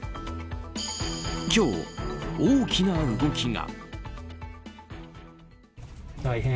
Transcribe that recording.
今日、大きな動きが。